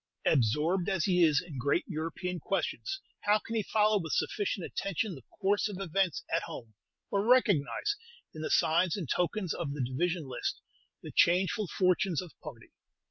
Absorbed as he is in great European questions, how can he follow with sufficient attention the course of events at home, or recognize, in the signs and tokens of the division list, the changeful fortunes of party?